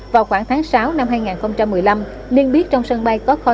vào khoảng tháng sáu năm hai nghìn một mươi năm niên biết trong sân bay có kho